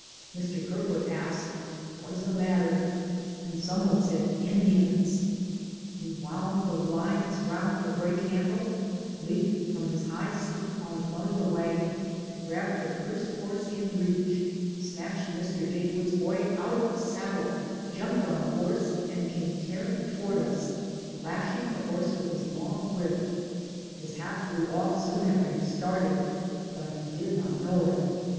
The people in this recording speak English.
Mr. Kerfoot asked, "What is the mat ter?" Some one said, "Indians!" He wound the lines round the brake handle, leaped from his high seat on the front of the wagon, grabbed the first horse in reach, snatched Mr. Gatewood's boy out of the saddle, jumped on the horse and came tearing toward us, lashing the horse with his long whip — his hat flew off soon after he started, but he did not know it.